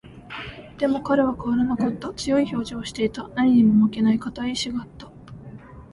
でも、彼は変わらなかった。強い表情をしていた。何にも負けない固い意志があった。